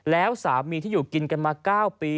แล้วสามีที่อยู่กินกันมา๙ปี